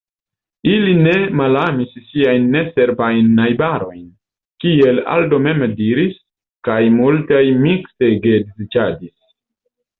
Ili ne malamis siajn neserbajn najbarojn, kiel Aldo mem diris, kaj multaj mikse geedziĝadis.